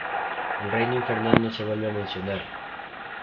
El reino infernal no se vuelve a mencionar.